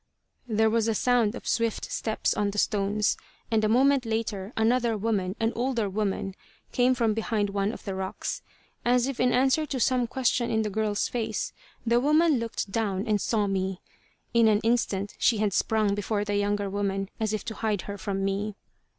There was a sound of swift steps on the stones, and a moment later another woman an older woman came from behind one of the rocks. As if in answer to some question in the girl's face, the woman looked down and saw me. In an instant she had sprung before the younger woman, as if to hide her from me.